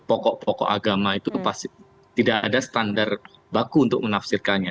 pokok pokok agama itu pasti tidak ada standar baku untuk menafsirkannya